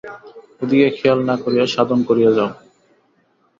ওদিকে খেয়াল না করিয়া সাধন করিয়া যাও।